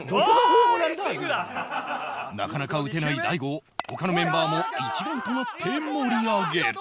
なかなか打てない大悟を他のメンバーも一丸となって盛り上げる